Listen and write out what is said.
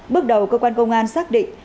bước đầu cơ quan công an xác định